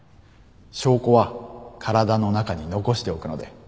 証拠は体の中に残しておくので。